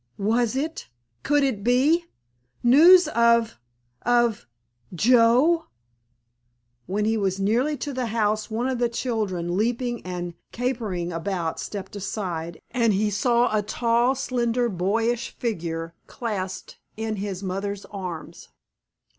Was it— could it be—news of—of Joe? When he was nearly to the house one of the children leaping and capering about stepped aside, and he saw a tall, slender boyish figure clasped in his mother's arms.